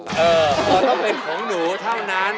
มันต้องเป็นของหนูเท่านั้น